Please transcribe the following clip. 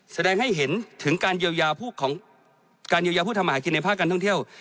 แสดงให้เห็นถึงการเยียวยาพูดทำหาคิดในภาคการท่องเที่ยว